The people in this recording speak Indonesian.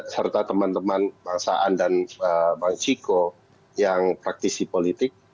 serta teman teman bang saan dan bang ciko yang praktisi politik